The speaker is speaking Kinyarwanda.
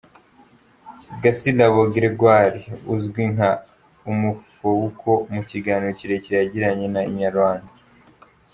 Gasirabo Gregoir uzwi nka Uomofuoco mu kiganiro kirekire yagiranye na Inyarwanda.